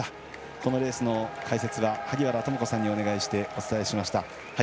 このレースの解説は萩原智子さんにお願いしてお伝えしました。